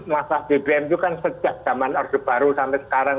masalah bbm itu kan sejak zaman orde baru sampai sekarang